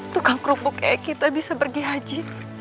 tukang kerupuk eh kita bisa pergi haji